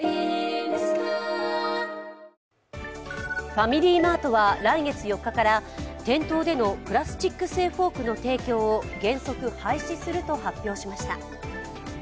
ファミリーマートは来月４日から店頭でのプラスチック製フォークの提供を原則、廃止すると発表しました。